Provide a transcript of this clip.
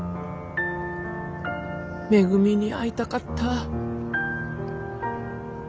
めぐみに会いたかった。